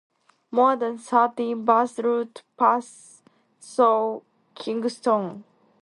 More than thirty bus routes pass through Kingston.